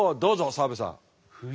澤部さん。